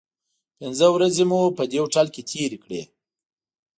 پنځه ورځې مو په دې هوټل کې تیرې کړې.